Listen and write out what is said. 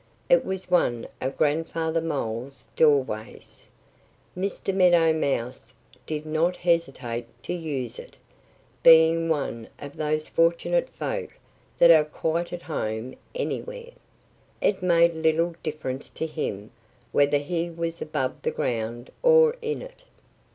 It was one of Grandfather Mole's doorways. Mr. Meadow Mouse did not hesitate to use it, being one of those fortunate folk that are quite at home anywhere. It made little difference to him whether he was above the ground or in it.